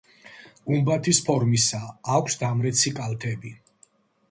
გუმბათის ფორმისაა, აქვს დამრეცი კალთები.